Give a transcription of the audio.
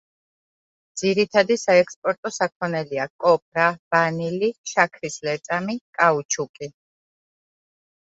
ძირითადი საექსპორტო საქონელია: კოპრა, ვანილი, შაქრის ლერწამი, კაუჩუკი.